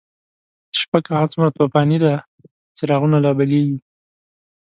شپه که هرڅه توفانیده، څراغونه لابلیږی